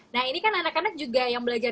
nah ini kan anak anak juga yang belajar